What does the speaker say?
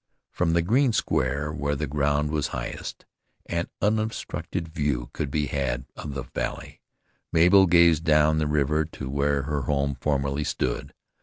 From the green square, where the ground was highest, an unobstructed view could be had of the valley. Mabel gazed down the river to where her home formerly stood.